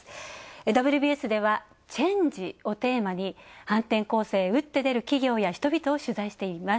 「ＷＢＳ」ではチェンジをテーマに、反転攻勢へ打って出る企業や人々を取材してます。